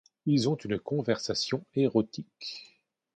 Ils ont une conversation érotique.